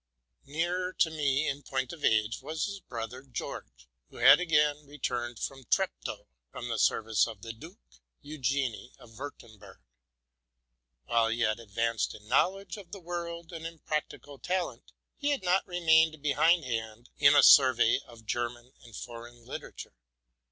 Nearer to me, in point of age, was his brother George, who had again returned from Treptow, from the service of the Duke Eugene of Wiirtemberg. While he had advanced in knowledge of the world and in practical talent, he had not re mained behindhand in a survey of German and foreign litera ture.